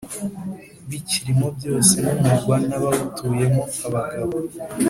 Bikirimo Byose N Umurwa N Abawutuyemo Abagabo